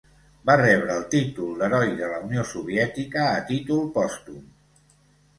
Va rebre el títol d'Heroi de la Unió Soviètica a títol pòstum.